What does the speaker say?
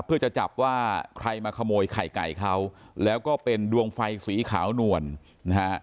เพื่อจะจับว่าใครมาขโมยไข่ไก่เขาแล้วก็เป็นดวงไฟสีขาวนวลนะฮะ